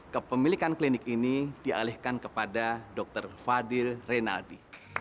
kepemilikan klinik ini dialihkan kepada dr fadil renaldi